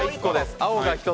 青が１つ。